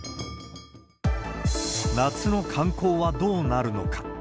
夏の観光はどうなるのか。